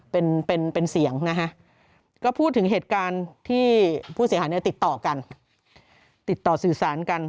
เป็นเป็นเสียงนะฮะก็พูดถึงเหตุการณ์ที่ผู้เสียหายเนี่ยติดต่อกันติดต่อสื่อสารกัน